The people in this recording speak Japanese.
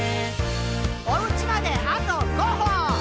「おうちまであと５歩！」